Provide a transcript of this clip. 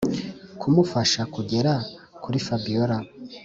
kumufasha kugera kuri fabiora